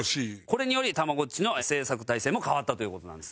これによりたまごっちの製作体制も変わったという事なんですね。